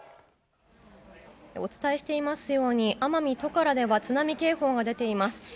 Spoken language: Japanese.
お伝えしていますように奄美トカラでは津波警報が出ています。